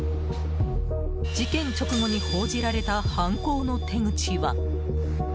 事件直後に報じられた犯行の手口は。